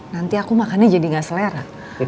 nanti aku makannya jadi gak selera